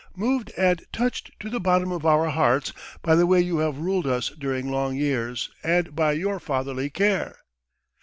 Moved and touched to the bottom of our hearts by the way you have ruled us during long years, and by your fatherly care.